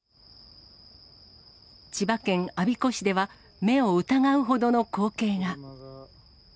千葉県我孫子市では、目を疑うほどの光景が。